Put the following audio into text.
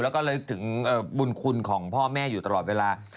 และเริ่มถึงบุญคุณของพ่อแม่อยู่ตลอดเวลารถ